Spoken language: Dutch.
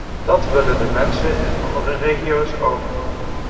Dat willen de mensen in de andere regio's ook.